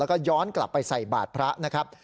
แล้วก็ย้อนกลับไปใส่บาทพระนะครับ